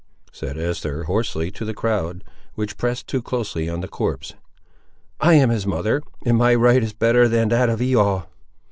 said Esther hoarsely to the crowd, which pressed too closely on the corpse; "I am his mother, and my right is better than that of ye all!